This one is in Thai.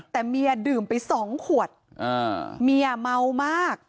แต่เมียดื่มไปสองขวดอ่าเมียเมามาก